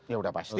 ya sudah pasti